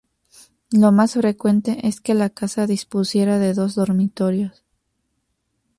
Lo más frecuente es que la casa dispusiera de dos dormitorios.